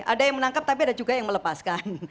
ada yang menangkap tapi ada juga yang melepaskan